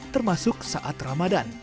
termasuk saat ramadan